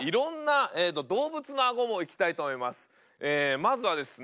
まずはですね